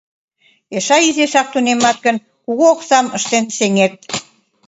Эше изишак тунемат гын, кугу оксам ыштен сеҥет.